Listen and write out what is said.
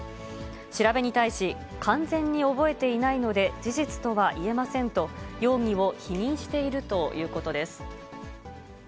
調べに対し、完全に覚えていないので、事実とは言えませんと、容疑を否認しているということです。